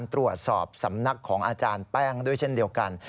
ตรวจสอบสำนักของอาจารย์แป้งด้วยเช่นเดียวกัน